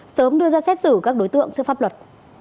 sớm đưa ra xét xử các đối tượng trước pháp luật